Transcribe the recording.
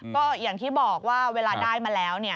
ก็อย่างที่บอกว่าเวลาได้มาแล้ว